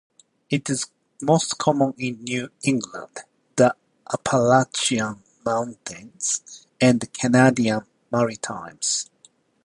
It is most common in New England, the Appalachian Mountains, and the Canadian Maritimes.